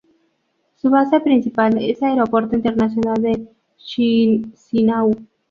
Su base principal es Aeropuerto Internacional de Chisinau.